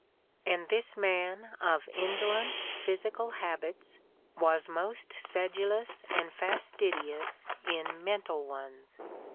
And this man of indolent physical habits was most sedulous and fastidious in mental ones.